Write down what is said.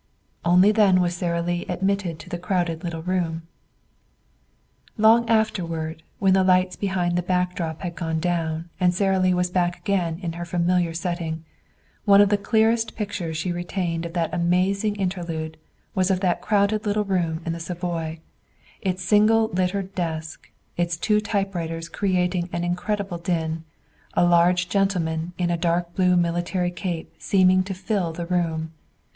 Only then was Sara Lee admitted to the crowded little room. Long afterward, when the lights behind the back drop had gone down and Sara Lee was back again in her familiar setting, one of the clearest pictures she retained of that amazing interlude was of that crowded little room in the Savoy, its single littered desk, its two typewriters creating an incredible din, a large gentleman in a dark blue military cape seeming to fill the room.